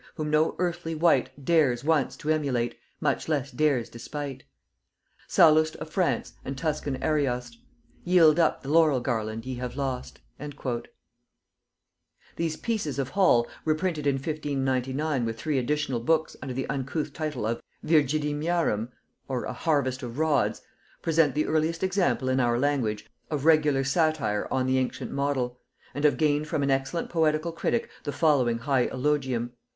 whom no earthly wight Dares once to emulate, much less dares despight. Salust of France and Tuscan Ariost, Yield up the laurel garland ye have lost." [Note 127: Du Bartas, then an admired writer in England as well as France.] These pieces of Hall, reprinted in 1599 with three additional books under the uncouth title of "Virgidemiarum" (a harvest of rods), present the earliest example in our language of regular satire on the ancient model, and have gained from an excellent poetical critic the following high eulogium.